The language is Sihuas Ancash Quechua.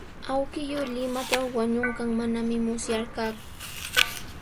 Awkilluu Limatraw wañunqan manami musyarqaaku.